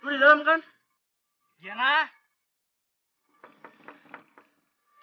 lo di dalam kan